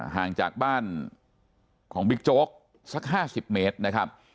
ห่างจากบ้านของบิ๊กโจ๊กสัก๕๐เมตรนะครับ